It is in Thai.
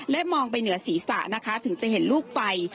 มองไปเหนือศีรษะนะคะถึงจะเห็นลูกไฟ